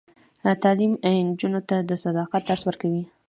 تعلیم نجونو ته د صداقت درس ورکوي.